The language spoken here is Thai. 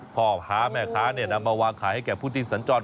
พ่อค้าแม่ค้านำมาวางขายให้แก่ผู้ที่สัญจร